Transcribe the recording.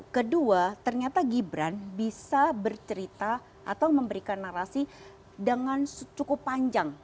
kedua ternyata gibran bisa bercerita atau memberikan narasi dengan cukup panjang